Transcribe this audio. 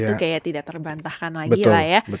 itu kayak tidak terbantahkan lagi lah ya